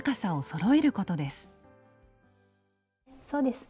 そうです。